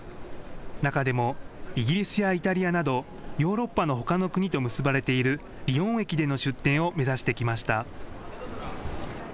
中でもイギリスやイタリアなど、ヨーロッパのほかの国と結ばれているリヨン駅での出店を目指してきました。